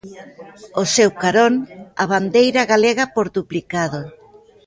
Ao seu carón, a bandeira galega por duplicado.